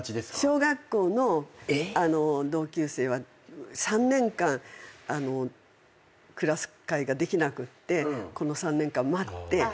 小学校の同級生は３年間クラス会ができなくってこの３年間待って。